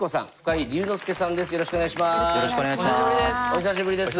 お久しぶりです。